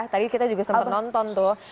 tadi kita juga sempat nonton tuh